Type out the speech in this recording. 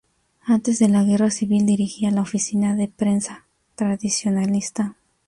Antes de la guerra civil dirigiría la Oficina de Prensa Tradicionalista.